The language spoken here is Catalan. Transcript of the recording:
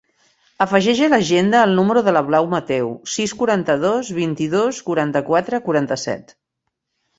Afegeix a l'agenda el número de la Blau Mateu: sis, quaranta-dos, vint-i-dos, quaranta-quatre, quaranta-set.